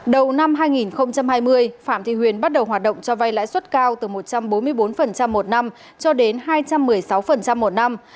đầu năm hai nghìn hai mươi phạm thị huyền bắt đầu hoạt động cho vay lãi suất cao từ một trăm bốn mươi bốn một năm cho đến hai trăm một mươi sáu một năm